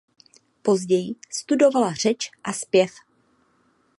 Později studovala řeč a zpěv.